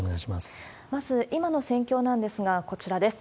まず、今の戦況なんですが、こちらです。